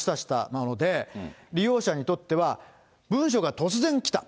なので、利用者にとっては、文書が突然来た。